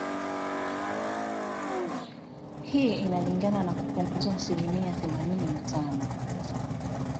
Hii inalingana na kupunguzwa asilimia themanini na tano